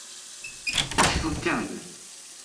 這些都是這樣子